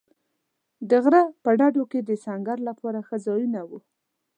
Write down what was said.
د غره په ډډو کې د سنګر لپاره ښه ځایونه و.